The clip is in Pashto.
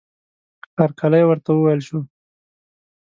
هرکلی ورته وویل شو.